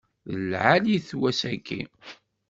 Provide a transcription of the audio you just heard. D lɛali-t wass-aki.